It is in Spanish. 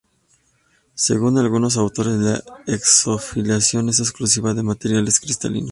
Según algunos autores la exfoliación no es exclusiva de materiales cristalinos.